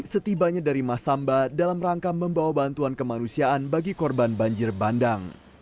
setibanya dari masamba dalam rangka membawa bantuan kemanusiaan bagi korban banjir bandang